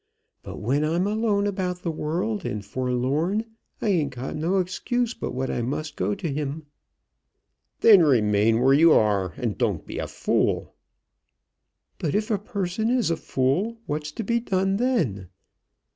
But when I'm alone about the world and forlorn, I ain't got no excuse but what I must go to him." "Then remain where you are, and don't be a fool." "But if a person is a fool, what's to be done then?